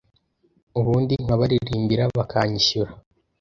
ubundi nkabaririmbira bakanyishyura